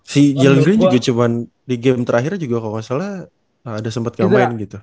si jalen greene juga cuman di game terakhirnya juga kalau gak salah ada sempet kemain gitu